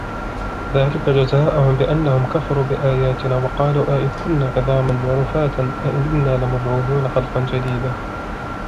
ذلك جزاؤهم بأنهم كفروا بآياتنا وقالوا أإذا كنا عظاما ورفاتا أإنا لمبعوثون خلقا جديدا